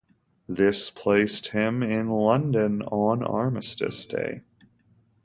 This placed him in London on Armistice Day.